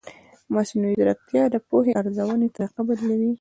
مصنوعي ځیرکتیا د پوهې د ارزونې طریقه بدلوي.